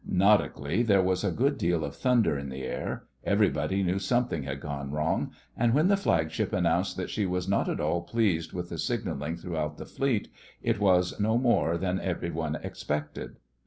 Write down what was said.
Nautically there was a good deal of thunder in the air. Everybody knew something had gone wrong, and when the Flagship announced that she was not at all pleased with the signalling throughout the Fleet it was no more than every one expected.